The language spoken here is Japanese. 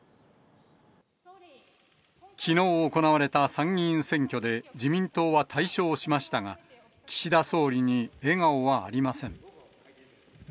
きのう行われた参議院選挙で自民党は大勝しましたが、岸田総理に笑顔はありません。